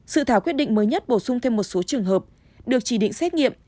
sự thảo quyết định mới nhất bổ sung thêm một số trường hợp được chỉ định xét nghiệm